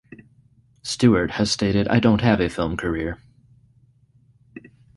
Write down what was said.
Stewart has stated I don't have a film career.